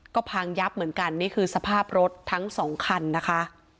ก็พังยับเหมือนกันนี่คือสภาพรถทั้งสองคันนะคะ